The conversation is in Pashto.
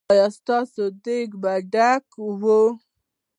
ایا ستاسو دیګ به ډک وي؟